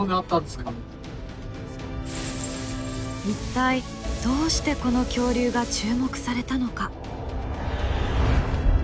一体どうしてこの恐竜が注目されたのか？